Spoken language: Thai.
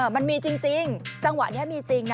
มันมีจริงจังหวะนี้มีจริงนะ